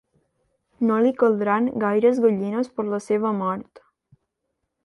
No li caldran gaires gallines per la seva mort.